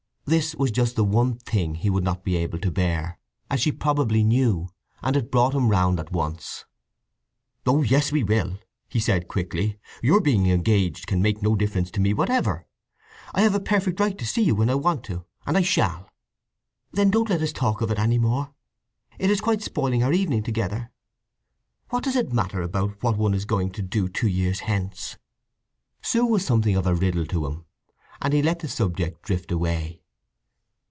This was just the one thing he would not be able to bear, as she probably knew, and it brought him round at once. "Oh yes, we will," he said quickly. "Your being engaged can make no difference to me whatever. I have a perfect right to see you when I want to; and I shall!" "Then don't let us talk of it any more. It is quite spoiling our evening together. What does it matter about what one is going to do two years hence!" She was something of a riddle to him, and he let the subject drift away.